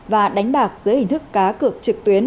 và đánh bạc dưới hình thức cá cược trực tuyến